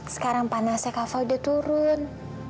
sekarang panasnya kava udah turun